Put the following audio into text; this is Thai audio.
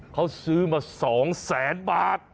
เขาซื้อมา๒๐๐๐๐๐บาท